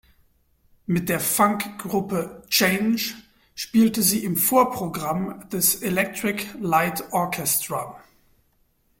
Mit der Funk-Gruppe „Change“ spielte sie im Vorprogramm des Electric Light Orchestra.